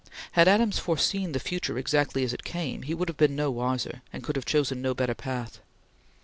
Had Adams foreseen the future exactly as it came, he would have been no wiser, and could have chosen no better path.